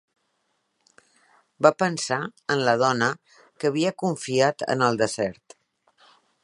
Va pensar en la dona que havia confiat en el desert.